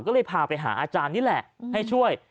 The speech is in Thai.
ก็เลยพาไปหาอาจารย์นี่แหละให้ช่วย